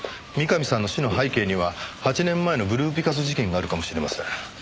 三上さんの死の背景には８年前のブルーピカソ事件があるかもしれません。